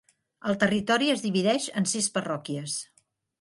El territori es divideix en sis parròquies.